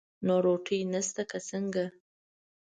نو روټۍ نشته که څنګه؟